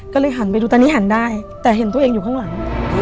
ก็เลยหันไปดูตอนนี้หันได้แต่เห็นตัวเองอยู่ข้างหลัง